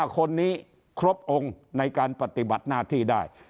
๕คนนี้ครบองค์ในการปฏิบัติหน้าที่ได้